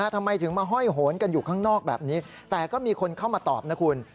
ทำไมถึงมาห้อยโหนกันอยู่ข้างนอกแบบนี้แต่ก็มีคนเข้ามาตอบนะคุณ